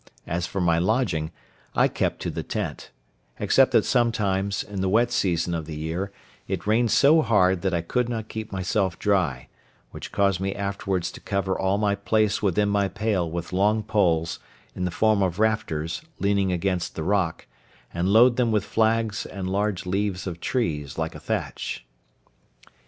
As for my lodging, I kept to the tent; except that sometimes, in the wet season of the year, it rained so hard that I could not keep myself dry, which caused me afterwards to cover all my place within my pale with long poles, in the form of rafters, leaning against the rock, and load them with flags and large leaves of trees, like a thatch.